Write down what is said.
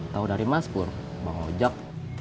tahu dari mas pur bang ojek